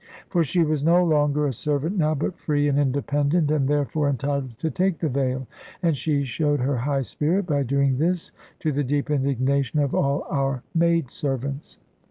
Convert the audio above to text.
For she was no longer a servant now, but free and independent, and therefore entitled to take the veil, and she showed her high spirit by doing this, to the deep indignation of all our maid servants.